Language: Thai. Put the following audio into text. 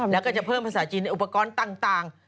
แล้วก็จะเพิ่มภาษาจีนในอุปกรณ์ต่าง